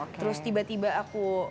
terus tiba tiba aku